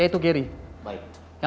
dan itu adalah black cobra